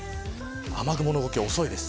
雨雲の動きが遅いです。